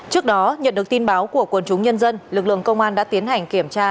trước đó nhận được tin báo của quân chúng nhân dân lực lượng công an đã tiến hành kiểm tra